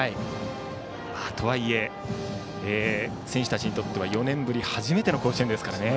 とはいえ選手たちにとっては４年ぶり初めての甲子園です。